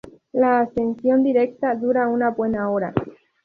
La ascensión directa dura una buena hora.